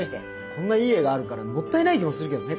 こんないい絵があるからもったいない気もするけどね。